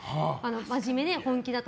真面目で、本気だと。